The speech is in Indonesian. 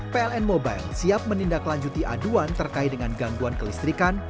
pln mobile siap menindaklanjuti aduan terkait dengan gangguan kelistrikan